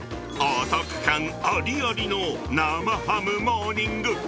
お得感ありありの生ハムモーニング。